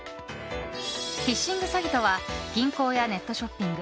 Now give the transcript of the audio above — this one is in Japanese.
フィッシング詐欺とは銀行やネットショッピング